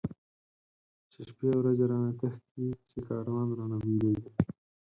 چی شپی ورځی رانه تښتی، چی کاروان رانه بيليږی